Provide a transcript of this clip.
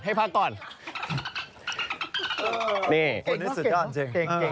นี่คุณนึกสุดยอดจริง